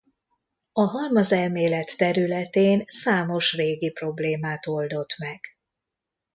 A halmazelmélet területén számos régi problémát oldott meg.